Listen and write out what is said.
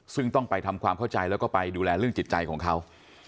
ซึ่งต้องไปทำความเข้าใจแล้วก็ไปดูแลเรื่องจิตใจของเขา